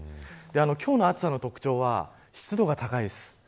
今日の暑さの特徴は湿度が高いです。